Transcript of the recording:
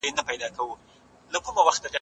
د علم له لاري ټولنه د نوښت او خلاقیت ځای ګرځوي.